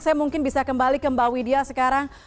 saya mungkin bisa kembali ke mbak widya sekarang